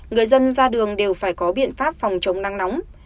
người dân ra đường đều phải có biện pháp phòng chống nắng nóng